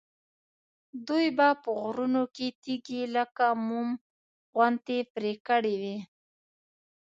دوی به په غرونو کې تیږې لکه موم غوندې پرې کړې وي.